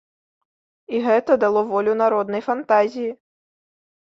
І гэта дало волю народнай фантазіі.